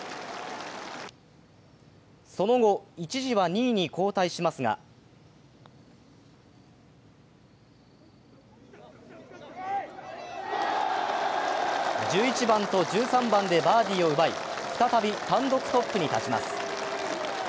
その後、一時は２位に後退しますが１１番と１３番でバーディーを奪い、再び単独トップに立ちます。